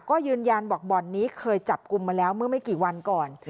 ก็ยืนยันบอกบ่อนนี้เคยจับกลุ่มมาแล้วเมื่อไม่กี่วันก่อน